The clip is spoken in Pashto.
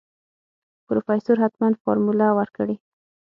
پروفيسر حتمن فارموله ورکړې.